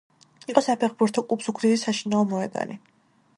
იყო საფეხბურთო კლუბ ზუგდიდის საშინაო მოედანი.